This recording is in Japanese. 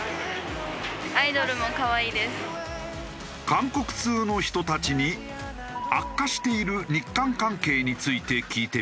韓国通の人たちに悪化している日韓関係について聞いてみると。